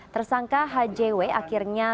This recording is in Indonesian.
tersangka hjw akhirnya